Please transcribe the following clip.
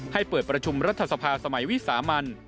ให้เปิดประชุมรัฐสภาสมัยวิสามัน